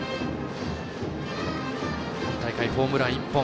今大会、ホームラン１本。